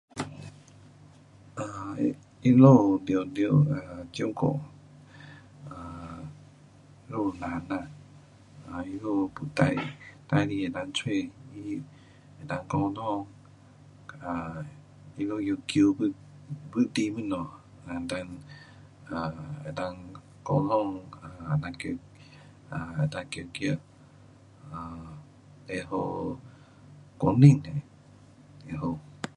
[unintelligible] um [unintelligible] um